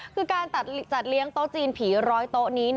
คือการจัดเลี้ยงโต๊ะจีนผี๑๐๐โต๊ะนี้